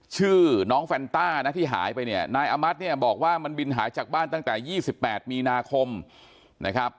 ชื่อน้องแฟนต้านะที่หายไปเนี่ยนายอามัติเนี่ยบอกว่ามันบินหายจากบ้านตั้งแต่๒๘มีนาคมนะครับ